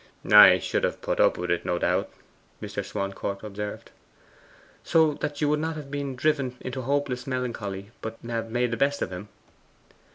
'I should have put up with it, no doubt,' Mr. Swancourt observed. 'So that you would not have been driven into hopeless melancholy, but have made the best of him?